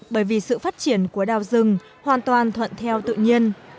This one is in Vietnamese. bởi vì sự phát triển của đào rừng hoàn toàn thuận theo tự nhiên